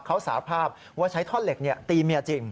เขาสาภาพว่าใช้ท่อนเหล็กตีเมียจริง